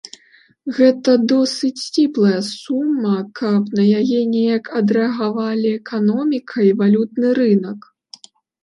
Гэта досыць сціплая сума, каб на яе неяк адрэагавалі эканоміка і валютны рынак.